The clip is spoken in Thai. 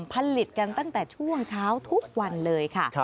ผลิตกันตั้งแต่ช่วงเช้าทุกวันเลยค่ะ